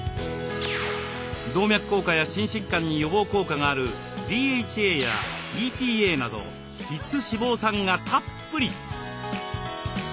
動脈硬化や心疾患に予防効果があるＤＨＡやＥＰＡなど必須脂肪酸がたっぷり。